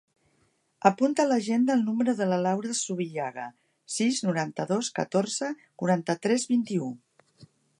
Apunta a l'agenda el número de la Laura Zubillaga: sis, noranta-dos, catorze, quaranta-tres, vint-i-u.